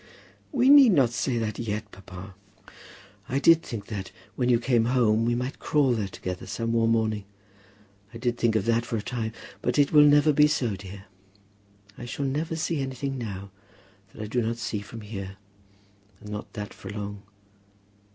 "We need not say that yet, papa." "I did think that when you came home we might crawl there together some warm morning. I did think of that for a time. But it will never be so, dear. I shall never see anything now that I do not see from here, and not that for long.